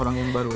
orang yang baru